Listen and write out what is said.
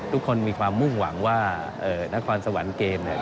ทุกคนมีความมุ่งหวังว่านครสวรรค์เกมเนี่ย